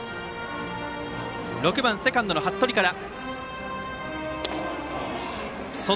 ６番セカンドの八鳥から。